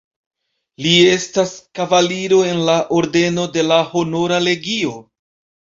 Li estas kavaliro en la ordeno de la Honora Legio.